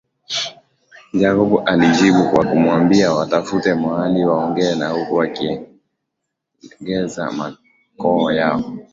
jacob alijibu kwa kumwambia watafute mahali waongee na huku wakilegeza makoo yao